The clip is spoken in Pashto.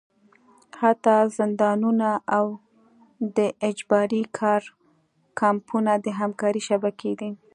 حتی زندانونه او د اجباري کار کمپونه د همکارۍ شبکې دي.